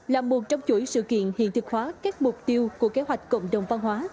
là một trong chuỗi sự kiện hiện thực hóa các mục tiêu của kế hoạch cộng đồng văn hóa